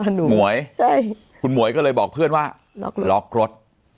หมวยใช่คุณหมวยก็เลยบอกเพื่อนว่าล็อกลดล็อกลด